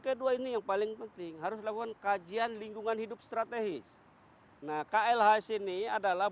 kedua ini yang paling penting harus lakukan kajian lingkungan hidup strategis nah klh sini adalah